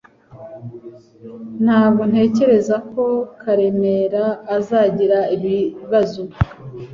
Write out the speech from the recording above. Ntabwo ntekereza ko Karemera azagira ibibazo